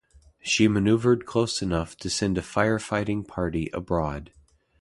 She maneuvered close enough to send a firefighting party aboard.